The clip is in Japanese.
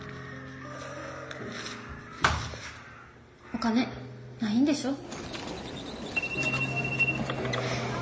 お金ないんでしょう？